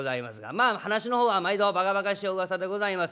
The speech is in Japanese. まあ噺の方は毎度ばかばかしいお噂でございます。